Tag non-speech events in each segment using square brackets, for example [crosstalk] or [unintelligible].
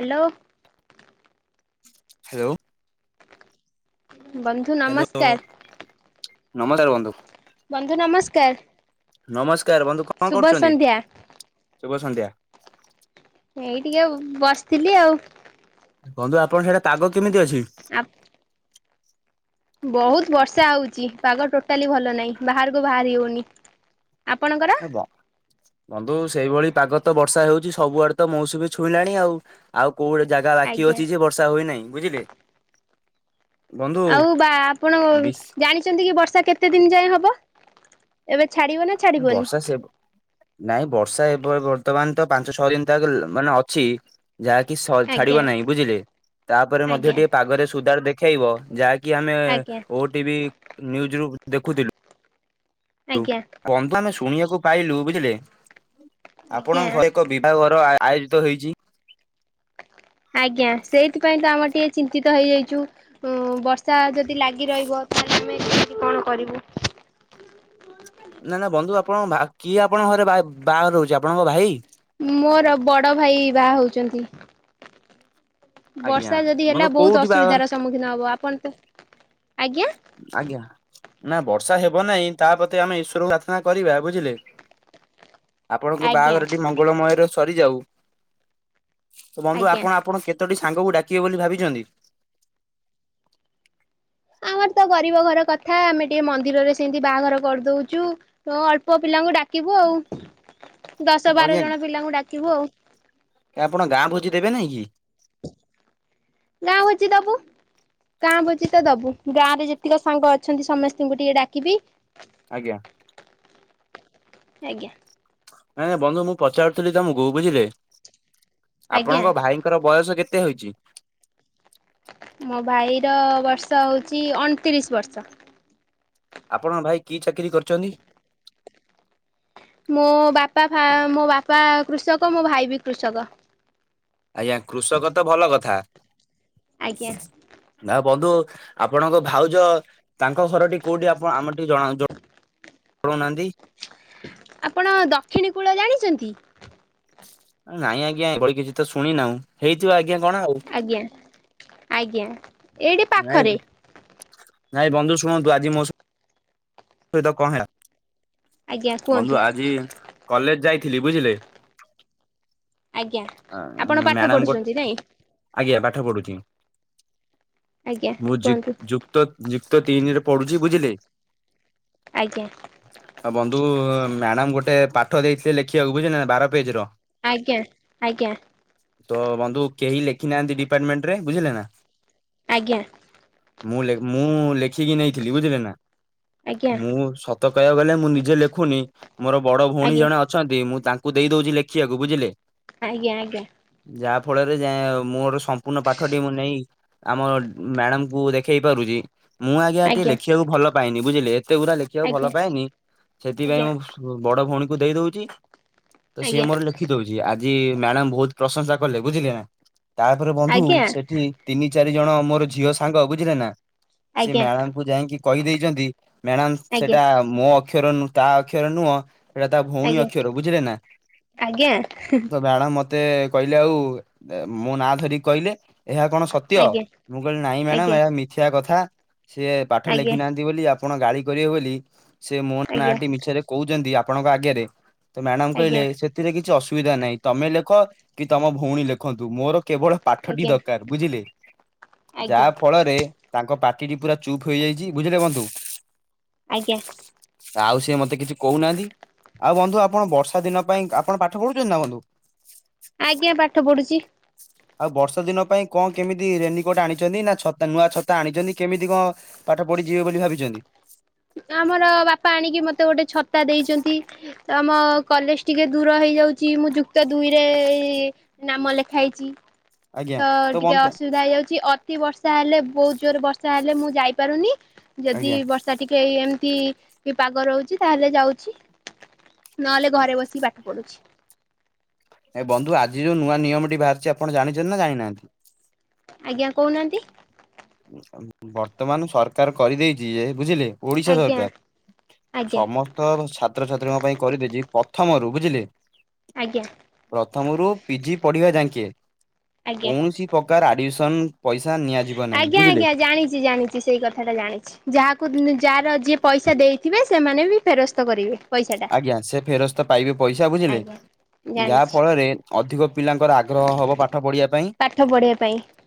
Hello. Hello. ବନ୍ଧୁ hello, ନମସ୍କାର ନମସ୍କାର ବନ୍ଧୁ। ବନ୍ଧୁ ନମସ୍କାର। ନମସ୍କାର ବନ୍ଧୁ କଣ ଶୁଭ କରୁଚନ୍ତି? ସନ୍ଧ୍ୟା। ଶୁଭ ସନ୍ଧ୍ୟା। ଏଇ ଟିକେ ବସିଥିଲି ଆଉ। ବନ୍ଧୁ ଆପଣଙ୍କ ସିଆଡେ ପାଗ କେମିତି ଅଛି? ଆପ ବହୁତ ବର୍ଷା ହଉଚି, ପାଗ ଟୋଟାଲି ଭଲ ନାହିଁ, ବାହାରକୁ ବାହାରି ହଉନି। ଆପଣଙ୍କର? ଏ ବ ବନ୍ଧୁ ସେଇଭଳି ପାଗ ତ ବର୍ଷା ହେଉଚି, ସବୁଆଡେ ତ ମୌସୁମୀ ଛୁଇଁଲାଣି ଆଉ। ଆଉ କୋଉଠି ଜାଗା ବାକି ଆଜ୍ଞା ଅଛି ଯେ ବର୍ଷା ହୋଇ ନାଇଁ, ବୁଝିଲେ। ବନ୍ଧୁ ଆଉ ବା ଆପଣଙ୍କ ବିଶ ଜାଣିଚନ୍ତି କି ବର୍ଷା କେ କେତେ ଦିନ ଯାଏଁ ହବ ଏବେ ଛାଡିବନା ବର୍ଷା ସେ ନାଇଁ ବର୍ଷା ଏବେ ବର୍ତ୍ତମାନ ତ ପାଞ୍ଚ ଛଅ ଦିନ ତାକ ମାନେ ଅଛି। ଯାହାକି ଆଜ୍ଞା ଛାଡିବ ନାହିଁ ବୁଝିଲେ ତାପରେ ମଧ୍ୟ ଆଜ୍ଞା ଟିକେ ପାଗରେ ସୁଦାର ଦେଖେଇବ ଯାହାକି କି ଆମେ ଆଜ୍ଞା ଓଟିଭି ନିୟୁଜରୁ ଦେଖୁଥିଲୁ। ଆଜ୍ଞା ବନ୍ଧୁ ଆମେ ଶୁଣିବାକୁ ପାଇଲୁ ବୁଝିଲେ ଆଜ୍ଞା ଆପଣଙ୍କ ଘରେ ବିବାହ ଘର ଆ ଆୟୋଜିତ ହେଇଛି। ଆଜ୍ଞା ସେଇଥିପାଇଁ ତ ଆମେ ଟିକେ ଚିନ୍ତିତ ହେଇଯାଇଛୁ। ବର୍ଷା ଯଦି ଲାଗି ରହିବ ତାହେଲେ ଆମେ କେମିତି କଣ କରିବୁ? ନା ନା ବନ୍ଧୁ ଆପଣଙ୍କ କିଏ ଆପଣଙ୍କ ଘରେ ବାହାଘର ହଉଛି ଆପଣଙ୍କ ଭାଇ? ମୋର ବଡ ଭାଇ ବାହା ହଉଛନ୍ତି। ଆଜ୍ଞା ବର୍ଷା ଯଦି ହେଲା ବନ୍ଧୁ ବହୁତ କୋଉଠି ବାହାଘର ଅସୁବିଧାର ସମ୍ମୁଖୀନ ହବ ଆପଣ ତ ଆଜ୍ଞା। ଆଜ୍ଞା। ନା ବର୍ଷା ହେବ ନାହିଁ ତାପ୍ରତି ଆମେ ଈଶ୍ୱରକୁ ପ୍ରାର୍ଥନା କରିବା ବୁଝିଲେ? ଆପଣଙ୍କ ଆଜ୍ଞା ବାହାଘରଟି ମଙ୍ଗଳମୟରେ ସରିଯାଉ, ତ ବନ୍ଧୁ ଆଜ୍ଞା ଆପଣ ଆପଣ କେତେ ତୋଟି ସାଙ୍ଗକୁ ଡାକିବେ ବୋଲି ଭାବିଛନ୍ତି? ଆମର ତ ଗରିବ ଘର କଥା ଆମେ ଟିକେ ମନ୍ଦିରରେ ସେମିତି ବାହାଘର କରିଦଉଛୁ। ତ ଅଳ୍ପ ପିଲାଙ୍କୁ ଡାକିବୁ ଆଉ ଦଶ ବାର ଆଜ୍ଞା ଜଣ ପିଲାଙ୍କୁ ଡାକିବୁ ଆଉ। ଆପଣ ଗାଁ ଭୋଜିି ଦେବେ ନାଇଁ କି? ଗାଁ ଭୋଜି ଦବୁ। ଗାଁ ଭୋଜି ତ ଦବୁ ଗାଁ ରେ ଯେତିକ ସାଙ୍ଗ ଅଛନ୍ତି ସମସ୍ତଙ୍କୁ ଟିକେ ଡାକିବି। ଆଜ୍ଞା। ଆଜ୍ଞା। ନାଇଁ ନାଇଁ ବନ୍ଧୁ ମୁଁ ପଚାରୁଥିଲି ତମକୁ ବୁଝିଲେ ଆଜ୍ଞା ଆପଣଙ୍କ ଭାଇ ଙ୍କର ବୟସ କେତେ ହେଇଛି? ମୋ ଭାଇର ବର୍ଷ ହେଉଛି ଅଣତିରିଶ ବର୍ଷ। ଆପଣ ଭାଇ କି ଚାକିରି କରିଛନ୍ତି? ମୋ ବାପା ମୋ ବାପା କୃଷକ ମୋ ଭାଇ ବି କୃଷକ। ଆଜ୍ଞା କୃଷକ ତ ଭଲ କଥା। ଆଜ୍ଞା ନା ବନ୍ଧୁ ଆପଣଙ୍କ ଭାଉଜ ତାଙ୍କ ଘରଟି କୋଉଠି ଆପଣ ଆମ ଜଣଉ ଜଣଉନାହାନ୍ତି? ଆପଣ ଦକ୍ଷିଣୀ କୂଳ ଜାଣିଛନ୍ତି? ନାଇଁ ଆଜ୍ଞା ଏଇଭଳି କିଛି ତ ଶୁଣି ନାହୁଁ ହେଇଥିବ ଆଜ୍ଞା କଣ ଆଉ। ଆଜ୍ଞା ଆଜ୍ଞା। ଏଇଠି ନାଇଁ ପାଖରେ ନାଇଁ ବନ୍ଧୁ ଶୁଣନ୍ତୁ ଆଜି ମୋ ସ ଆଜ୍ଞା କୁହନ୍ତୁ ବନ୍ଧୁ ଆଜି କଲେଜ ଯାଇଥିଲି ବୁଝିଲେ? ଆଜ୍ଞା। ଆପଣ ପାଠ ମ୍ୟାଡ଼ାମ ଗୋଟେ ପଢୁଛନ୍ତି ନାଇଁ ଆଜ୍ଞା ପାଠ ପଢୁଛି ଆଜ୍ଞା ମୁଁ କୁହନ୍ତୁ ତ ଯୁକ୍ତ ତିନିରେ ପଡୁଛି ବୁଝିଲେ? ଆଜ୍ଞା। ଆଉ ବନ୍ଧୁ ମ୍ୟାଡାମ ଗୋଟେ ପାଠ ଦେଇଥିଲେ ଲେଖିବାକୁ ବୁଝିଲେ ବାର ପେଜ ର। ଆଜ୍ଞା ଆଜ୍ଞା। ତ ବନ୍ଧୁ କେହି ଲେଖି ନାହାନ୍ତି ଡିପାର୍ଟମେଣ୍ଟ ରେ ବୁଝିଲେ ନା? ଆଜ୍ଞା। ମୁଁ ମୁଁ ଲେଖିକି ନେଇଥିଲି ବୁଝିଲେ ନା? ଆଜ୍ଞା ଆଜ୍ଞା ମୁଁ ସତ କହିବାକୁ ଗଲେ ମୁଁ ନିଜେ ଲେଖୁନି ମୋର ବଡ ଭଉଣୀ ଆଜ୍ଞା ଜଣେ ଅ ଅଛନ୍ତି ମୁଁ ତାଙ୍କୁ ଦେଇଦଉଛି ଲେଖିବାକୁ ବୁଝିଲେ? ଆଜ୍ଞା ଆଜ୍ଞା। ଯାହା ଫଳରେ ଯା ମୋର ସମ୍ପୂର୍ଣ୍ଣ ପାଠ ଟି ମୁଁ ନେଇ ଆମ ମ୍ୟାଡାମକୁ ଦେଖେଇ ପାରୁଛି। ମୁଁ ଆଜ୍ଞା ଟିକେ ଲେଖିବାକୁ ଭଲ ପାଏନି ବୁଝିଲେ ଏତେ ଗୁୁରା ଲେଖିବାକୁ ଭଲ ଆଜ୍ଞା ପାଏନି ସେଥିପାଇଁ ଆଜ୍ଞା। ମୁଁ ବଡ ଭଉଣୀକୁ ଦେଇ ଦଉଚି ତ ସିଏ ଆଜ୍ଞା ମୋର ଲେ ଲେଖି ଦଉଚି ଆଜି ମ୍ୟାଡାମ ବହୁତ ପ୍ରଶଂସା କଲେ ବୁଝିଲେ ନା ତାପରେ ବନ୍ଧୁ ଆଜ୍ଞା ଆଜ୍ଞା ସେଠି ତିନି ଚାରି ଜଣ ମୋର ଝିଅ ସାଙ୍ଗ ବୁଝିଲେ ନା ସେ ଆଜ୍ଞା ମ୍ୟାଡାମକୁ ଯାଇକି କହିଦେଇଛନ୍ତି। ମ୍ୟାଡ଼ାମ ଆଜ୍ଞା ଆଜ୍ଞା ସେଟା ମୋ ଅକ୍ଷର ନୂ ତା ଅକ୍ଷର ନୁହଁ। ସେଇଟା ତା ଭଉଣୀ ଅକ୍ଷର ବୁଝିଲେ ନା ଆଜ୍ଞା ଆଜ୍ଞା। ଆଜ୍ଞା ଆଜ୍ଞା ଆଜ୍ଞା ଆଜ୍ଞା ଆଜ୍ଞା ଆଜ୍ଞା ତ ମ୍ୟାଡାମ୍ ମତ ତେ କହିଲେ ଆଉ ମୋ ନା ଧରିକି କହିଲେ ଏହା କଣ ସତ୍ୟ ମୁଁ କହିଲି ନାଇଁ ମ୍ୟାଡାମ ଏହା ମିଥ୍ୟା କଥା ସିଏ ପାଠ ଲେଖି ନାହାନ୍ତି ବୋଲି ଆପ ଆପଣ ଗାଳି କରିବେ ବୋଲି ସେ ମୋ ନାଁଟି ମିଛରେ କହୁଛନ୍ତି ଆପଣଙ୍କ ଆଗେରେ। ତ ମ୍ୟାଡାମ କହିଲେ ସେଥିରେ କିଛି ଅସୁବିଧା ନାହିଁ ତମେ ଲେଖ କି ତମ ଭଉଣୀ ଲେଖନ୍ତୁ ମୋର କେବଳ ପାଠଟି ଦରକାର ବୁଝିଲେ ଯାହା ଫଳରେ ତାଙ୍କ ପାଟିଟି ପୁରା ଚୁପ୍ ହେଇଯାଇଛି ବଝିଲେ ବନ୍ଧୁ। ଆଜ୍ଞା। ଆଉ ସେ ମତେ କିଛି କହୁନାହାନ୍ତି। ଆଉ ବନ୍ଧୁ ଆପଣ ବର୍ଷା ଦିନ ପାଇଁ ଆପଣ ପାଠ ପଢୁଛନ୍ତି ନା ବନ୍ଧୁ। ଆଜ୍ଞା ପାଠ ପଢୁଚି। ଆଉ ବର୍ଷା ଦିନ ପାଇଁ କଣ କେମିତି ରେନିକୋଟ ଆଣିଛନ୍ତି ନା ଛତା ନୂଆ ଛତା ଆଣିଛନ୍ତି କେମିତି କଣ? ପାଠ ପଢିଯିବେ ବୋଲି ଭାବିଛନ୍ତି। ଆମର ବାପା ଆଣିକି ମତେ ଗୋଟେ ଛତା ଦେଇଛନ୍ତି। ତ ଆମ କଲେଜ ଟିକିଏ ଦୂର ହେଇଯାଉଚି ମୁଁ ଯୁକ୍ତ ଦୁଇରେ ନାମ ଲେଖା ହେଇଚି। ଆଜ୍ଞା ତ ଟିକେ ବନ୍ଧୁ ଅସୁବିଧା ହେଇଯାଉ ଚି ଅତି ବର୍ଷା ହେଲେ ବହୁତ ଜୋରରେ ବର୍ଷା ହେଲେ ମୁଁ ଯାଇପାରୁନି ଯଦି ଆଜ୍ଞା ବର୍ ସେ ଟିକେ ଏମିତି ପାଗ ରହୁଚି ତାହେଲେ ଯାଉଚି। ନହେଲେ ଘରେ ବସିକି ପାଠ ପଢୁଛି। ଏ ବନ୍ଧୁ ଆଜି ଯୋଉ ନୂଆ ନିୟମଟି ବାହାରିଚି ଆପଣ ଜାଣିଛନ୍ତି ନା ଜାଣିନାହାନ୍ତି। ଆଜ୍ଞା କହୁନାହାନ୍ତି। ବର୍ତ୍ତମାନ ସରକାର କରିଦେଇଛି ଯେ ବୁଝିଲେ। ଓଇଶା ଆଜ୍ଞା ସରକାର ଆଜ୍ଞା ସମସ୍ ତ ଛାତ୍ରଛାତ୍ରୀଙ୍କ ପାଇଁ କରିଦେଇଛି ପଥମରୁ ବୁଝିଲେ। ଆଜ୍ଞା। ପ୍ରଥମରୁ ପିଜି ପଢିବା ଯାଙ୍କେ ଆଜ୍ଞା କୌଣସି ପକାର ଆଡମିସନ ପଇସା ନିଆଯିବନି। ଆଜ୍ଞା ଆଜ୍ଞା ଜାଣିଚି ଜାଣିଚି। ଯେ ସେଇ କଥାଟା ଜାଣିଛି ଯାହାକୁ ଯାହାର ଯିଏ ପଇସା ଦେଇଥିବେ ସେମାନେ ବି ଫେରସ୍ତ କରିବେ। ପଇସାଟା। ଆଜ୍ଞା ସେ ଫେରସ୍ତ ପାଇବେ ପଇସା ବୁଝିଲେ ଆଜ୍ଞା ଯାହା ଜାଣିଛି ଫଳରେ ଅଧିକ ପିଲାଙ୍କର ଆଗ୍ରହ ହବ ପାଠ ପଢ଼ିବା ପାଇଁ। ପାଠ ପଢିବା ପାଇଁ।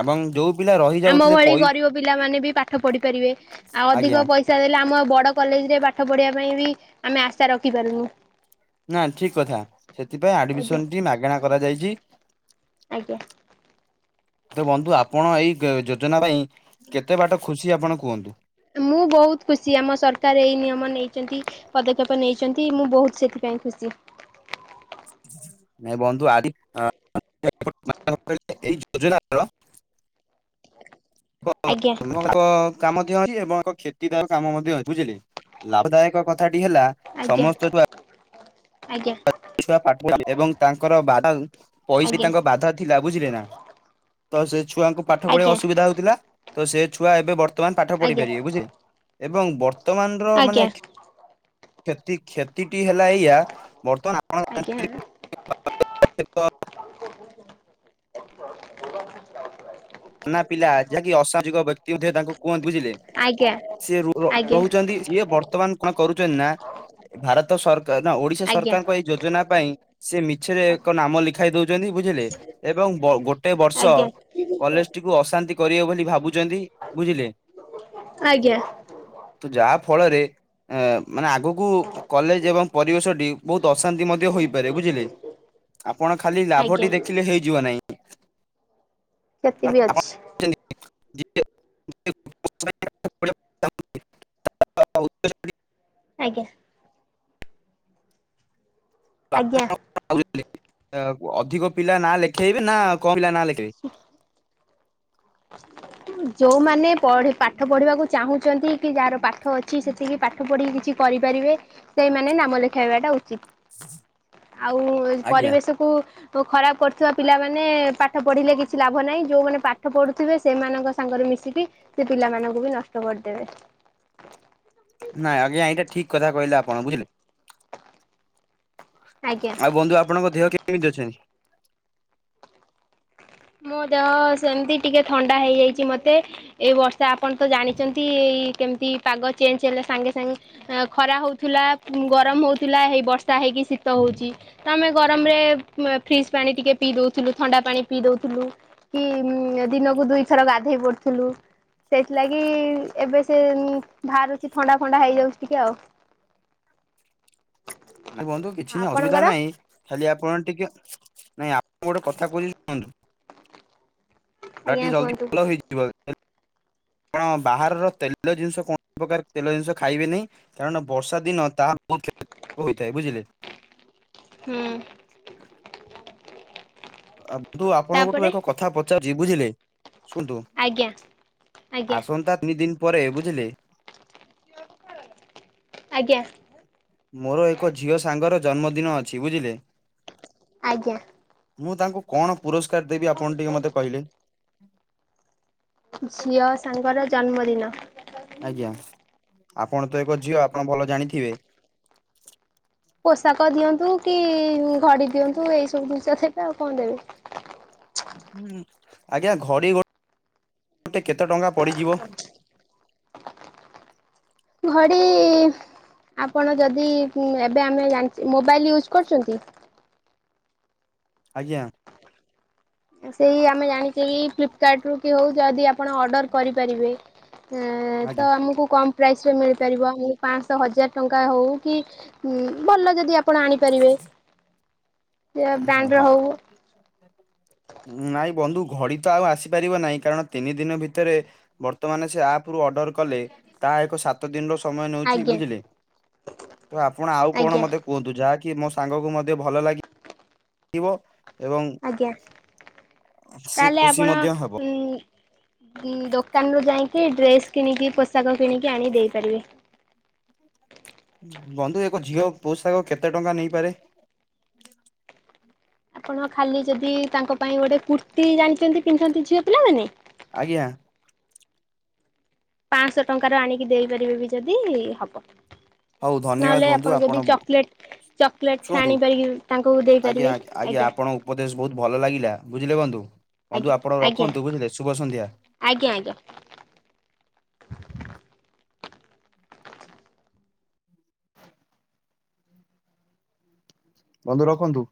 ଏବଂ ଯୋଉ ପିଲା ଆମ ରହିଯାଉଥିଲେ ଭଳି ପଇ ଗରିବ ପିଲାମାନେ ବି ପାଠ ପଢି ପାରିବେ ଆଉ ଆଜ୍ଞା ଅଧିକ ପଇସା ଚା ଦେଲେ ଆମ ବଡ଼ କଲେଜରେ ପାଠ ପଢ଼ିବା ପାଇଁ ବି ଆମେ ଆଶା ରଖିପାରୁନୁ। ନା ଠିକ କଥା ସେଥିପାଇଁ ଆଜ୍ଞା ଆଡମିସନ ଟି ମାଗଣା କରାଯାଇଛି। ଆଜ୍ଞା। ତ ବନ୍ଧୁ ଆପଣ ଏଇ ଯୋଜନା ପାଇଁ କେତେ ବାଟ ଖୁସି ଆପଣ କୁହନ୍ତୁ। ମୁଁ ବହୁତ ଖୁସି ଆମ ସରକାର ଏଇ ନିୟମ ନେଇଚନ୍ତି ପଦକ୍ଷେପ ନେଇଚନ୍ତି ମୁଁ ବହୁତ ସେଥିପାଇଁ ଖୁସି। ନାଇ ବନ୍ଧୁ ଆଡି [unintelligible] ଏଇ ଯୋଜନାର କ ଆଜ୍ଞା। ସମସ୍ତ କାମ ମଧ୍ୟ ଅଛି ଏବଂ ଏକ କ୍ଷତିକାର କାମ ମଧ୍ୟ ଅଛି ବୁଝିଲେ ଲାଭଦାୟକ କଥାଟି ହେଲା ଆଜ୍ଞା ସମସ୍ତ ଛୁଆ ଆଜ୍ଞା। [unintelligible] ଏବଂ ତାଙ୍କର ବାଧା ପଇସି ଆଜ୍ଞା ତାଙ୍କ ବାଧା ଥିଲା ବୁଝିଲେ ନା ତ ସେ ଛୁଆଙ୍କୁ ପାଠ ପଢେଇବାକୁ ଆଜ୍ଞା ଅସୁବିଧା ହଉଥିଲା ତ ସେ ଛୁଆ ଏବେ ବର୍ତ୍ତ ବର୍ତ୍ତମାନ ପାଠ ପଢି ଆଜ୍ଞା ପାରିବେ ବୁଝିଲେ ଏବଂ ବର୍ତ୍ତମାନର ଆଜ୍ଞା ମାନେ କ୍ଷତି କ୍ଷତିଟି ହେଲା ଏଇଆ ବର୍ତ୍ତମାନ ଆପଣ ଆଜ୍ଞା [unintelligible] ନା ପିଲା ଯାହାକି ଅସାମଜିକ ବ୍ୟକ୍ତି ମଧ୍ୟ ତାଙ୍କୁ କୁହନ୍ତି ବୁଝିଲେ। ଆଜ୍ଞା ସିଏ ରୁ ଆଜ୍ଞା ରହୁଛନ୍ତି ସିଏ ବର୍ତ୍ତମାନ କଣ କରୁଛନ୍ତି ନା ଭାରତ ସରକାର ନା ଓଡିଶା ଆଜ୍ଞା ସରକାରଙ୍କ ଏଇ ଯୋଜନା ପାଇଁ ସେ ମିଛରେ ଏକ ନାମ ଲେଖାଇ ଦଉଛନ୍ତି ବୁଝିଲେ ଏବଂ ଗୋଟେ ବର୍ଷ ଆଜ୍ଞା କଲେଜ ଟିକୁ ଅଶାନ୍ତି କରିବେ ବୋଲି ଭାବୁଛନ୍ତି ବୁଝିଲେ। ଆଜ୍ଞା। ଯାହା ଫଳରେ ଅ ମାନେ ଆଗକୁ କଲେଜ ଏବଂ ପରିବେଶଟି। ବହୁତ ଅଶାନ୍ତି ମଧ୍ୟ ହୋଇପାରେ ବୁଝିଲେ ଆପଣ ଖାଲି ଆଜ୍ଞା ଲାଭଟି ଦେଖିଲେ ହେଇଯିବ ନାହିଁ? ସେତିଵି ଆପଣ ଅଛି। [unintelligible] ଆଜ୍ଞା। ଆଜ୍ଞା। ଅଧିକ ପିଲା ନା ଲେଖେଇବେ ନା କମ ପିଲା ନା ଲେଖେଇବେ? ହ ଯୋଉମାନେ ପଢ଼ି ପାଠ ପଢିବାକୁ ଚାହୁଁଛନ୍ତି କି ଯାହାର ପାଠ ଅଛି ସେତିକି ପା ପାଠ ପଢିକି କିଛି କରିପାରିବେ ସେଇମାନେ ନାମ ଲେଖାଇବାଟା ଉଚିତ। ଆଉ ଆଜ୍ଞା ପରିବେଶ କୁ ଓ ଖରାପ କରୁଥିବା ପିଲାମାନେ ପାଠ ପଢିଲେ କିଛି ଲାଭ ନାହିଁ ଯୋଉମାନେ ପା ପାଠ ପଢୁଥିବେ ସେମାନଙ୍କ ସାଙ୍ଗରେ ମିଶିକି ସେ ପିଲାମାନଙ୍କୁ ବି ନଷ୍ଟ କରିଦେବେ। ନାଇଁ ଆଜ୍ଞା ଏଇଟା ଠିକ କହିଲ ଆପଣ ବୁଝିଲେ। ଆଜ୍ଞା। ଆଉ ବନ୍ଧୁ ଆପଣଙ୍କ ଦେହ କେମିତି ଅଛି? ମୋ ଦେହ ସେମିତି ଟିକେ ଥଣ୍ଡା ହେଇଯାଇଛି ମତେ। ଏଇ ବର୍ଷା ଆପଣ ତ ଜାଣିଛନ୍ତି ଏଇ କେମିତି ପାଗ ଚେଞ୍ଜ ହେଲେ ସାଙ୍ଗେ ସାଙ୍ଗେ ଖରା ହୋଉଥିଲା ଗରମ ହେଉଥିଲା ହେଇ ବର୍ଷା ହେଇକି ଶୀତ ହୋଉଛି। ତ ଆମେ ଗରମ ରେ ଫ୍ରିଜ୍ ପାଣି ଟିକେ ପିଇ ଦଉଥିଲୁ ଥଣ୍ଡା ପାଣି। ପିଇ ଦଉଥିଲୁ କି ଦିନକୁ ଦୁଇଥର ଗାଧେଇ ପଡୁଥିଲୁ। ସେଇଥିଲାଗି ଏବେ ସେ ବାହାରୁଛି ଥଣ୍ଡା ଫଣ୍ଡା ହେଇଯାଉଛି ଟିକେ ଆଉ। [inaudible] ବନ୍ଧୁ କିଛି ଅସୁବିଧା ଆପଣଙ୍କର ନାହିଁ। ଖାଲି ଆପଣ ଟିକେ ନାଇଁ ଆପଣ ଗୋଟେ କଥା [unintelligible] ଶୁହନ୍ତୁ। ତା ଆଜ୍ଞା ଟିକେ ଜଲଦି କୁହନ୍ତୁ ଭଲ ହେଇଯିବ। ଆପଣ ବାହାରର ତେଲ ଜିନିଷ କୌଣସି ପ୍ରକାର ତେଲ ଜିନିଷ ଖାଇବେ ନାହିଁ। କାରଣ ବର୍ଷା ଦିନ ତାହା ବହୁତ କ୍ଷତି ହୋଇଥାଏ ବୁଝିଲେ। ହୁଁ। ଆନ୍ତୁ ଆପଣଙ୍କଠୁ ତାପରେ ଏକ କଥା ପଚାରୁଛି ବୁଝିଲେ ଶୁଣନ୍ତୁ? ଆଜ୍ଞା ଆଜ୍ଞା। ଆସନ୍ତା ତିନି ଦିନ ପରେ ବୁଝିଲେ ଆଜ୍ଞା। ମୋର ଏକ ଝିଅ ସାଙ୍ଗ ର ଜନ୍ମଦିନ ଅଛି ବୁଝିଲେ? ଆଜ୍ଞା। ମୁଁ ତାଙ୍କୁ କଣ ପୁରସ୍କାର ଦେବି ଆପଣ ଟିକେ ମତେ କହିଲେ? ଝିଅ ସାଙ୍ଗର ଜନ୍ମଦିନ। ଆଜ୍ଞା ଆପଣ ତ ଏକ ଝିଅ ଆପଣ ଭଲ ଜାଣିଥିବେ। ପୋଷାକ ଦିଅନ୍ତୁ କି ଘଡି ଦିଅନ୍ତୁ ଏଇ ସବୁ ଦୁଇଷ ଥବେ ଆଉ କଣ ଦେବେ। ହୁଁ ଆଜ୍ଞା ଘଡି ଗୋ ଗୋଟେ କେତେ ଟଙ୍କା ପଡିଯିବ? ଘଡି। ଆପଣ ଯଦି ଏବେ ଆମେ ଜାଣି ମୋବାଇଲ ୟୁଜ୍ କରୁଛନ୍ତି? ଆଜ୍ଞା। ସେଇ ଆମେ ଜାଣିଛେ ଫ୍ଲିପକାର୍ଟରୁୁ କି ହଉ ଯଦି ଆପଣ ଅର୍ଡର କରିପାରିବେ। ହ ଆଜ୍ଞା ତ ଆମକୁ କଣ ପ୍ରାଇସରେ ମିଳିପାରିବ ମୁ ପାଞ୍ଚଶହ ହଜାର ଟଙ୍କା ହେଉ କି ଭଲ ଯଦି ଆପଣ ଆଣିପାରିବେ ବ୍ରାଣ୍ଡ ହଁ ହଉ। ନାଇଁ ବନ୍ଧୁ ଘଡି ତ ଆଉ ଆସିପାରିବ ନାହିଁ କାରଣ ତିନି ଦିନ ଭିତରେ ବର୍ତ୍ତମାନ ସେ ଆପ ରୁ ଅର୍ଡର କଲେ ତାହା ଏକ ସତ ଦିନ ର ସମୟ ନେଉଛି ଆଜ୍ଞା ବୁଝିଲେ ତ ଆପଣ ଆଉ କଣ ଆଜ୍ଞା ମତେ କୁହନ୍ତୁ ଯାହାକି ମ ସାଙ୍ଗକୁ ମଧ୍ୟ ଭଲ ଲାଗିବ [inaudible] ଆଜ୍ଞା ସେ ତାହେଲେ ଖୁସି ଆପଣ ମଧ୍ୟ ହବ ଦୋକାନରୁୁ ଯାଇକି ଡ୍ରେସ କିଣିକି ପୋଷାକ କିଣିକି ଆଣି ଦେଇ ପାରିବେ। ବନ୍ଧୁ ଏକ ଝିଅ ପୋଷାକ କେତେ ଟଙ୍କା ନେଇପାରେ? ଆପଣ ଖାଲି ଯଦି ତାଙ୍କ ପାଇଁ ଗୋଟେ କୁର୍ତ୍ତି ଜାଣିଛନ୍ତି ପିନ୍ଧନ୍ତି ଝିଅ ପିଲାମାନେ? ଆଜ୍ଞା। ପାଞ୍ଚଶହ ଟଙ୍କାରୁ ଆଣିକି ଦେଇପାରିବେ ବି ଯଦି ହବ। ହଉ ଧନ୍ୟବାଦ ନହେଲେ ବନ୍ଧୁ ଆପଣ ଯଦି ବ- ଚକଲେଟ ଚକଲେଟ ଶୁଣନ୍ତୁ ଆଣିପାରିକି ତାଙ୍କୁ ଦେଇପାରିବେ ଆଜ୍ଞା। ଉପଦେଶ ବହୁତ ଭଲ ଲାଗିଲା ବୁଝିଲେ ବନ୍ଧୁ, ବନ୍ଧୁ ଆଜ୍ଞା ଆପଣ ଆଜ୍ଞା ରଖନ୍ତୁ ବୁଝିଲେ, ଶୁଭ ସନ୍ଧ୍ୟା। ଆଜ୍ଞା ଆଜ୍ଞା। ବନ୍ଧୁ ରଖନ୍ତୁ।